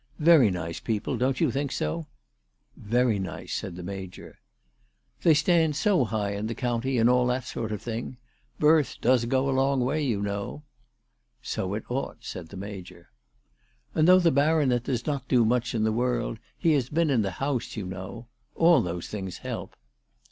Yery nice people ; don't you think so ?"" Yery nice," said the Major. ALICE DUGDALE. 375 " They stand so high in the county, and all that sort of thing. Birth does go a long way, you know." " So it ought," said the Major. " And though the Baronet does not do much in the world, he has been in the House, you know. All those things help."